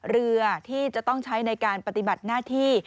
เรือที่จะต้องใช้ในการปฏิบัติหน้าที่